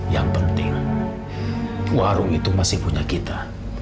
yang penting warung itu masih punya kita